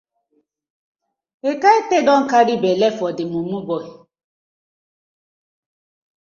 Ekaete don carry belle for dey mumu boy.